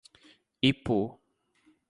Ipu